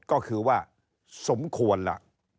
ก็คือว่าสมควรล่ะ